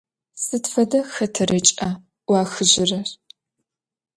Sıd fede xeterıç'a 'uaxıjırer?